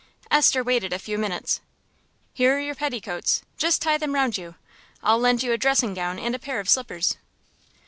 Esther waited a few minutes. "Here're your petticoats. Just tie them round you; I'll lend you a dressing gown and a pair of slippers."